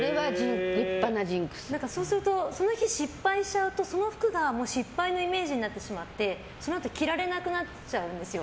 そうするとその日、失敗しちゃうとその服が失敗のイメージになってしまってそのあと着られなくなっちゃうんですよ。